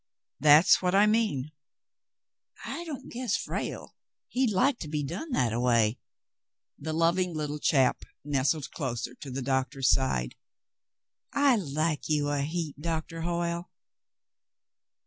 "That's what I mean." "I don't guess Frale, he'd like to be done that a way." The loving little chap nestled closer to the doctor's side. "I like you a heap, Doctah Hoyle.